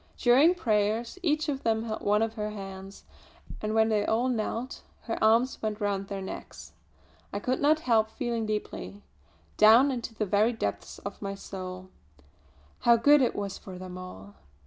During prayers each of them held one of her hands; and when they all knelt, her arms went round their necks. I could not help feeling deeply down into the very depths of my soul how good it was for them all.